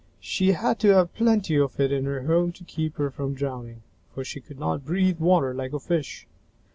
She had to have plenty of it in her home to keep her from drowning, for she could not breathe water like a fish.